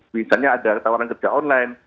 misalnya ada tawaran kerja online